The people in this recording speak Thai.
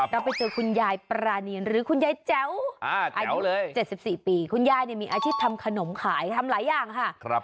เราไปเจอคุณยายปรานีนหรือคุณยายแจ๋วอายุ๗๔ปีคุณยายมีอาชีพทำขนมขายทำหลายอย่างค่ะ